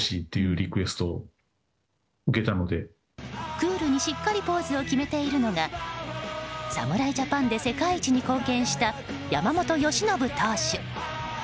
クールにしっかりポーズを決めているのが侍ジャパンで世界一に貢献した山本由伸投手。